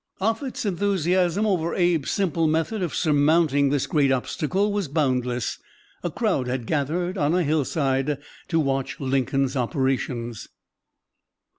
Offutt's enthusiasm over Abe's simple method of surmounting this great obstacle was boundless. A crowd had gathered on a hillside to watch Lincoln's operations.